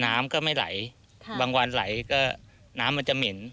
น้ำก็ไม่ไหลบางวันไหลก็น้ำมันจะเหม็น